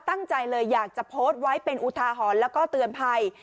ตั้งใจเลยอยากจะโพสต์ไว้เป็นอุทาหรณ์แล้วก็เตือนภัย